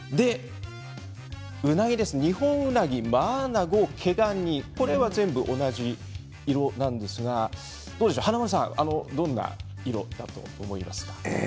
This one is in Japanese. ニホンウナギ、マアナゴ毛ガニ、これは全部同じ色なんですが、華丸さんどんな色だと思いますか？